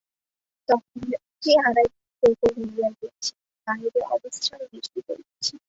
তখন রাত্রি আড়াই প্রহর হইয়া গিয়াছে, বাহিরে অবিশ্রাম বৃষ্টি পড়িতেছে।